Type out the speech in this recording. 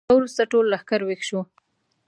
شېبه وروسته ټول لښکر ويښ شو.